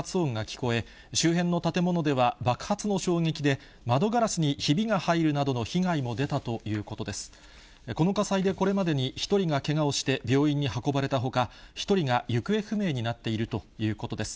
この火災でこれまでに１人がけがをして病院に運ばれたほか、１人が行方不明になっているということです。